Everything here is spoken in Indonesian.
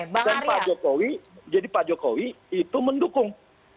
dan pak jokowi jadi pak jokowi itu mendukung